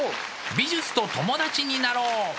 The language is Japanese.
美術と友達になろう！